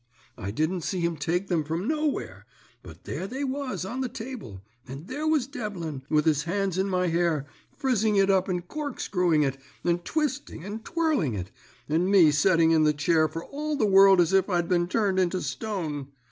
I didn't see him take them from nowhere, but there they was on the table, and there was Devlin, with his hands in my hair, frizzling it up and corkscrewing it, and twisting and twirling it, and me setting in the chair for all the world as if I'd been turned into stone.